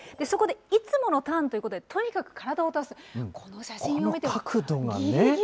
そこでいつものターンということで、とにかく体を倒す、この写真この角度がね。